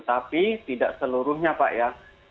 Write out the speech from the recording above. tapi tidak seluruhnya pak ya